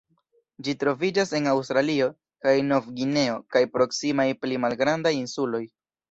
Ĝi troviĝas en Aŭstralio kaj Novgvineo kaj proksimaj pli malgrandaj insuloj.